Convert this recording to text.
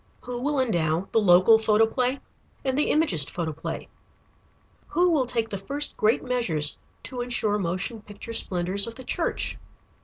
Who will endow the local photoplay and the Imagist photoplay? Who will take the first great measures to insure motion picture splendors in the church?